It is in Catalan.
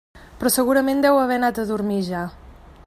Però segurament deu haver anat a dormir ja.